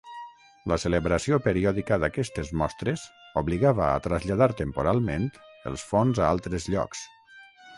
La celebració periòdica d'aquestes mostres obligava a traslladar temporalment els fons a altres llocs.